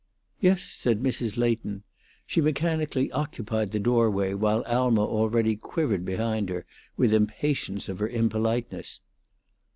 "Yes," said Mrs. Leighton; she mechanically occupied the doorway, while Alma already quivered behind her with impatience of her impoliteness.